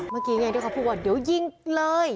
เมื่อกี้ไงที่เขาพูดว่าเดี๋ยวยิงเลย